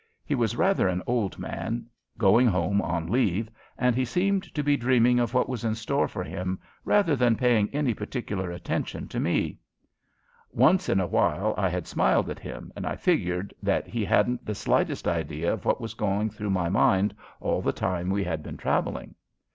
He was rather an old man, going home on leave, and he seemed to be dreaming of what was in store for him rather than paying any particular attention to me. Once in a while I had smiled at him and I figured that he hadn't the slightest idea of what was going through my mind all the time we had been traveling.